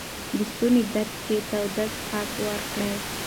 د ستوني درد کې تودې څښاک ورکړئ.